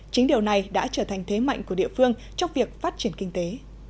chính điều này đã trở thành thế mạnh của địa phương trong việc phát triển kinh tế